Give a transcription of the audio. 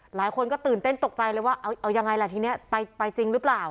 หลายคนก็ตื่นเต้นตกใจเลยว่าเอายังไงล่ะทีนี้ไปจริงหรือเปล่า